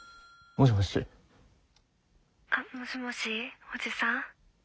☎もしもしおじさん？